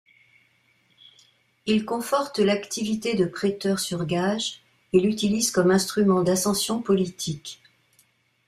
Il conforte l'activité de prêteur sur gage et l'utilise comme instrument d'ascension politique.